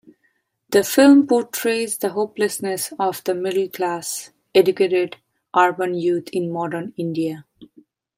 The film portrays the hopelessness of the middle-class, educated, urban youth in modern India.